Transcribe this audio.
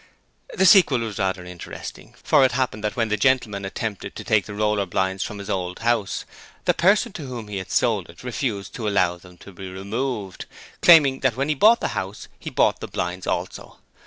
The sequel was rather interesting, for it happened that when the gentleman attempted to take the roller blinds from his old house, the person to whom he had sold it refused to allow them to be removed; claiming that when he bought the house, he bought the blinds also.